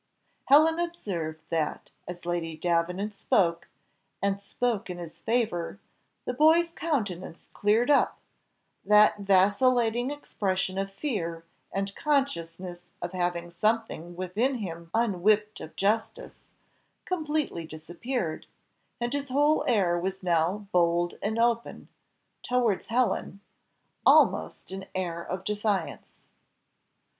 Helen observed, that, as Lady Davenant spoke, and spoke in his favour, the boy's countenance cleared up; that vacillating expression of fear, and consciousness of having something within him unwhipt of justice, completely disappeared, and his whole air was now bold and open towards Helen, almost an air of defiance.